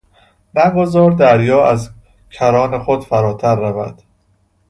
و نگذار دریا از کران خود فراتر رود.